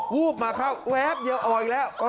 วูบมาเข้าแวบเดียวออกอีกแล้ว